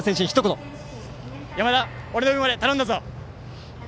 山田、俺の分まで頼んだぞ！